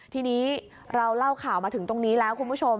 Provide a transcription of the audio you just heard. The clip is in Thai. ทีนี้เราเล่าข่าวมาถึงตรงนี้แล้วคุณผู้ชม